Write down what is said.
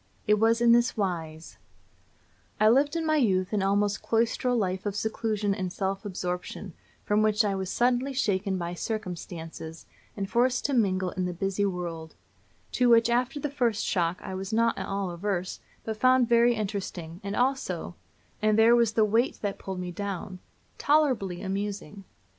It was in this wise: I lived in my youth an almost cloistral life of seclusion and self absorption, from which I was suddenly shaken by circumstances, and forced to mingle in the busy world; to which, after the first shock, I was not at all averse, but found very interesting, and also and there was the weight that pulled me down tolerably amusing.